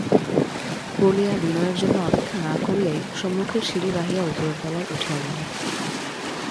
বলিয়া বিনয়ের জন্য অপেক্ষা না করিয়াই সম্মুখের সিঁড়ি বাহিয়া উপরের তলায় উঠিয়া গেল।